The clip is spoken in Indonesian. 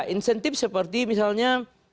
insentif seperti misalnya